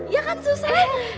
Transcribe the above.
ya kan susah